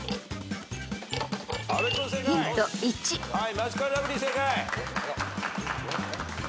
マヂカルラブリー正解。